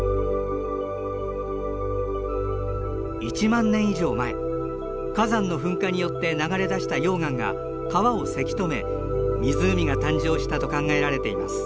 １万年以上前火山の噴火によって流れ出した溶岩が川をせき止め湖が誕生したと考えられています。